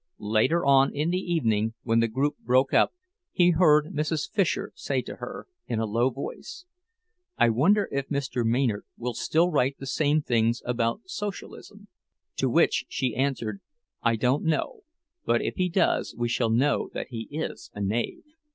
Later on in the evening, when the group broke up, he heard Mrs. Fisher say to her, in a low voice, "I wonder if Mr. Maynard will still write the same things about Socialism"; to which she answered, "I don't know—but if he does we shall know that he is a knave!"